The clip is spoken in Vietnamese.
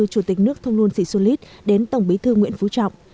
chủ tịch nước thông luân sĩ xu lít đến tổng bí thư nguyễn phú trọng